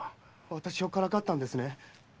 私をからかったんですね？